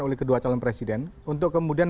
oleh kedua calon presiden untuk kemudian